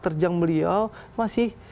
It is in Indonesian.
terjang beliau masih